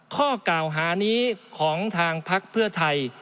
ข้อกล่าวหานี้ของทางพักเพื่อไทย